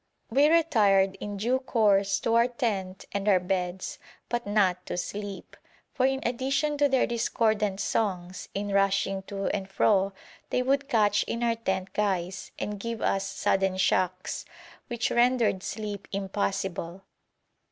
We retired in due course to our tent and our beds, but not to sleep, for in addition to their discordant songs, in rushing to and fro they would catch in our tent guys, and give us sudden shocks, which rendered sleep impossible.